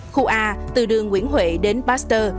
khu a từ đường nguyễn huệ đến baxter